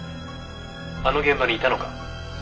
「あの現場にいたのか？」